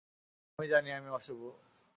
আমি জানি, আমি অশুভ।